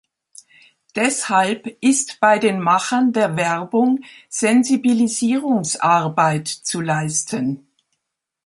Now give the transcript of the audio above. Deshalb ist bei den Machern der Werbung Sensibilisierungsarbeit zu leisten.